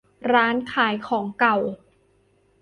ร้านขายของเก่า